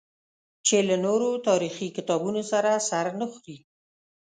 چې له نورو تاریخي کتابونو سره سر نه خوري.